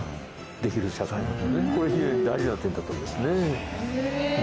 これ非常に大事な点だったんですね。